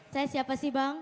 saya siapa sih bang